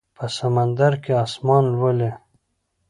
په سمندر کې اسمان لولي